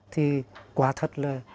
thì quả thật là